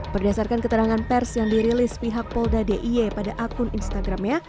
berdasarkan keterangan pers yang dirilis pihak polda d i e pada akun instagramnya